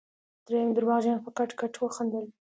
دريم درواغجن په کټ کټ وخندل.